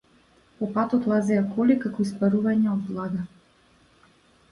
По патот лазеа коли како испарувања од влага.